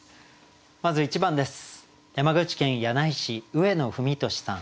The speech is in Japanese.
まず１番です。